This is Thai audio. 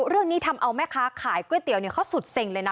เรื่องนี้ทำเอาไหมคะขายก๋วยเตี๋ยวเนี้ยเขาสุดเซ็งเลยน่ะ